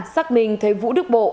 xác minh thấy vũ đức bộ